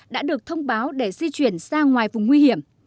đã được thông báo để di chuyển ra ngoài vùng nguy hiểm